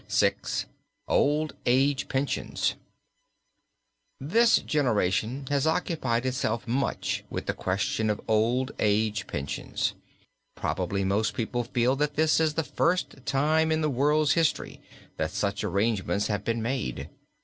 VI. OLD AGE PENSIONS. This generation has occupied itself much with the question of old age pensions. Probably most people feel that this is the first time in the world's history that such arrangements have been made.